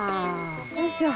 よいしょ。